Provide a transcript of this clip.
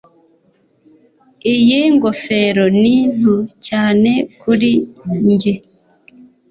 Iyi ngofero ni nto cyane kuri njye.